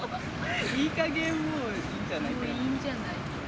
いいかげんもう、いいんじゃないかな。